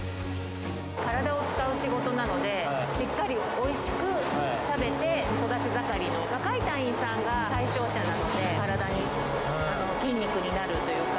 体を使う仕事なので、しっかりおいしく食べて、育ち盛りの若い隊員さんが対象者なので、体に、筋肉になるというか。